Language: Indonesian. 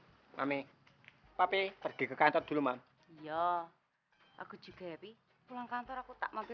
hai mami papi pergi ke kantor dulu man ya aku juga ya pi pulang kantor aku tak mau ke